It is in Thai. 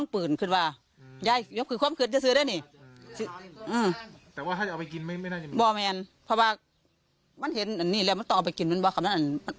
เพราะว่ามันเห็นอันนี้เลยแล้วมันต่อไปกินมันว่ากับนั้น